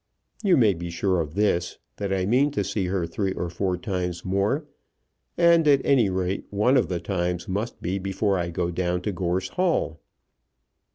You may be sure of this, that I mean to see her three or four times more, and at any rate one of the times must be before I go down to Gorse Hall."